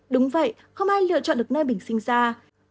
đúng vậy không ai lựa chọn được nơi mình sinh ra